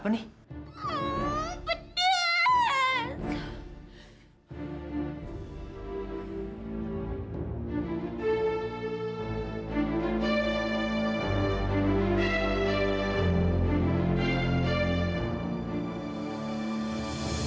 pika pika khasnya pedas